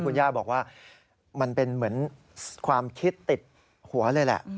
คุณย่าบอกว่ามันเป็นเหมือนความคิดติดหัวเลยแหละ